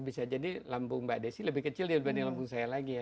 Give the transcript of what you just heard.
bisa jadi lambung mbak desi lebih kecil dibanding lambung saya lagi ya